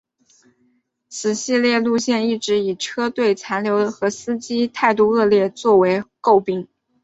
此系列路线一直以车队残旧和司机态度恶劣作为垢病。